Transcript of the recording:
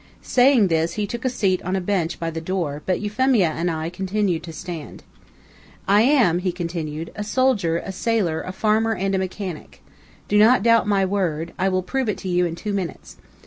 Saying this, he took a seat on a bench by the door, but Euphemia and I continued to stand. "I am," he continued, "a soldier, a sailor, a farmer, and a mechanic. Do not doubt my word; I will prove it to you in two minutes.